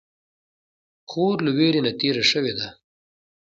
خور له ویرې نه تېره شوې ده.